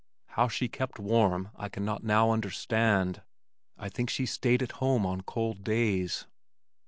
How she kept warm I cannot now understand I think she stayed at home on cold days.